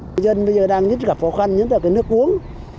người dân bây giờ đang rất gặp khó khăn nhất là cái nước uống